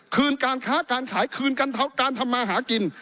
คืนการค้าการขายคืนการทำมาหากิน